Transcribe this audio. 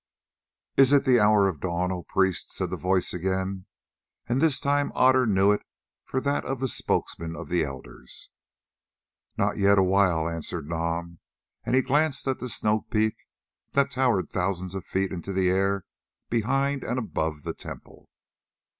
"Is it the hour of dawn, O priest?" said the voice again, and this time Otter knew it for that of the spokesman of the elders. "Not yet awhile," answered Nam, and he glanced at the snow peak that towered thousands of feet into the air behind and above the temple.